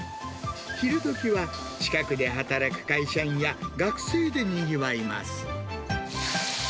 昼どきは近くで働く会社員や学生でにぎわいます。